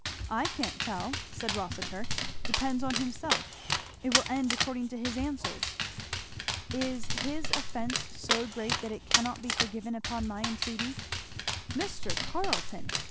"I can't tell!" said Rossitur, "depends on himself it will end according to his answers." "Is his offence so great that it cannot be forgiven upon my entreaty?" "Mr. Carleton!"